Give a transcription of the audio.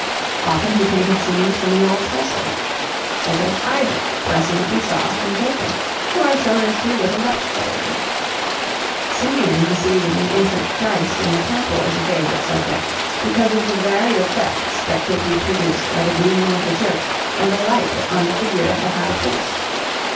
Often he painted scenes from the Old Testament; such as Isaac blessing Esau and Jacob, who are shown as two little Dutch children. Simeon receiving the Infant Christ in the Temple is a favourite subject, because of the varied effects that could be produced by the gloom of the church and the light on the figure of the High Priest.